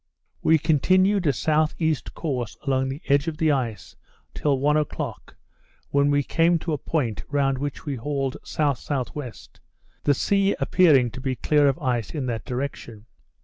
We continued a south east course along the edge of the ice, till one o'clock, when we came to a point round which we hauled S.S.W., the sea appearing to be clear of ice in that direction.